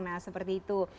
nah seperti itu